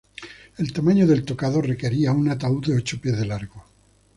El tamaño del tocado requería un ataúd de ocho pies de largo.